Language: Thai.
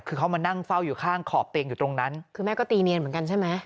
คือเขามานั่งเฝ้าอยู่ข้างขอบเตียงอยู่ตรงนั้นคือแม่ก็ตีเนียนเหมือนกันใช่ไหม